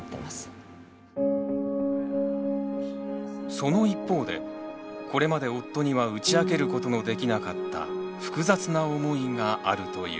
その一方でこれまで夫には打ち明けることのできなかった複雑な思いがあるという。